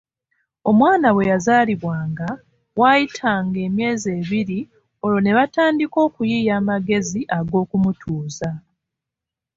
Omwana bwe yazaalibwanga, waayitanga emyezi ebiri olwo ne batandika okuyiiya amagezi ag’okumutuuza.